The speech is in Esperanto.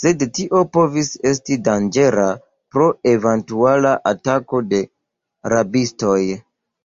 Sed tio povis esti danĝera pro eventuala atako de rabistoj.